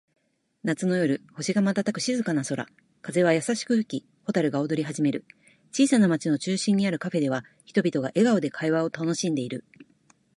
夏の夜、星が瞬く静かな空。風は優しく吹き、蛍が踊り始める。小さな町の中心にあるカフェでは、人々が笑顔で会話を楽しんでいる。